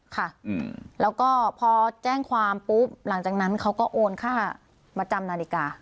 ค่ะแล้วก็พอแจ้งความปุ๊บหลังจากนั้นเขาก็โอนค่ามาจำนาฬิกา